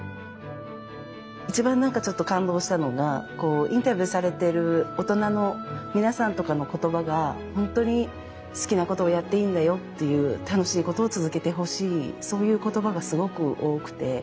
一番何かちょっと感動したのがこうインタビューされてる大人の皆さんとかの言葉が本当に好きなことをやっていいんだよっていう楽しいことを続けてほしいそういう言葉がすごく多くて。